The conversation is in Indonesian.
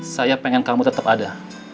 saya pengen kamu tetap ada